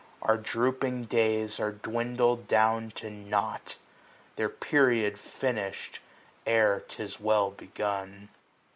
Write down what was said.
Our drooping days are dwindled down to nought. Their period finishM ere 'tis well begun.